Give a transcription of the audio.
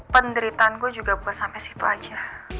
penderitaan gue juga buat sampe situ aja